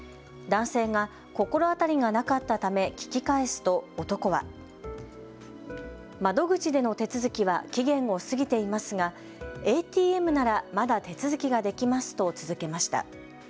男性が心当たりがなかったため聞き返すと男は窓口での手続きは期限を過ぎていますがＡＴＭならまだ手続きができますと続けました。